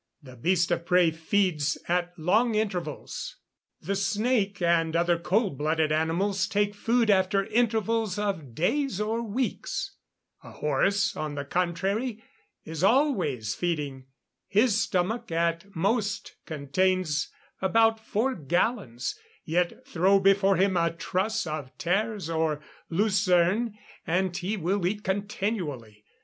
The beast of prey feeds at long intervals; the snake and other cold blooded animals take food after intervals of days or weeks. A horse, on the contrary, is always feeding. His stomach, at most, contains about four gallons, yet throw before him a truss of tares or lucerne, and he will eat continually.